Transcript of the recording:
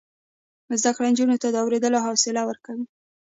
زده کړه نجونو ته د اوریدلو حوصله ورکوي.